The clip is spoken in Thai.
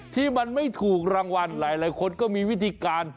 ที่มันไม่ถูกรางวัลหลายคนก็มีวิธีการ